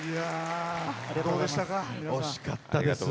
惜しかったです。